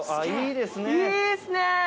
いいですね